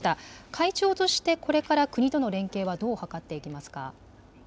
会長として、これから国との連携はどう図っていきますか。